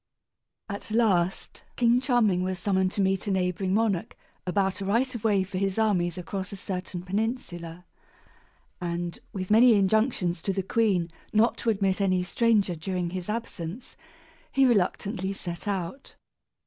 At last King Charming was summoned to meet a neighboring monarch about a right of way for his armies across a certain peninsula; and, with many injunctions to the queen not to admit any stranger during his absence, he reluctantly set out.